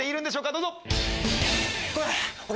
どうぞ！